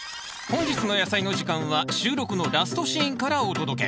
本日の「やさいの時間」は収録のラストシーンからお届け